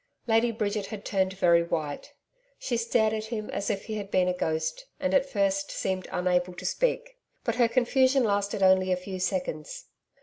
Lady Bridget had turned very white. She stared at him as if he had been a ghost, and at first seemed unable to speak. But her confusion lasted only a few seconds.